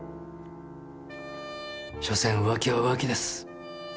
しょせん浮気は浮気です。